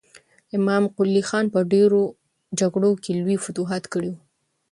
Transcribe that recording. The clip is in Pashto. امام قلي خان په ډېرو جګړو کې لوی فتوحات کړي ول.